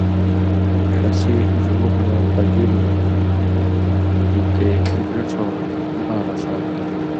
ݜسی (زُمُک) مہ قجُریۡواں یی تے ڙڇھہۡ واں باغہ سان٘د؛